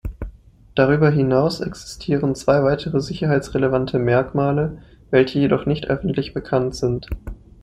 Darüber hinaus existieren zwei weitere sicherheitsrelevante Merkmale, welche jedoch nicht öffentlich bekannt sind.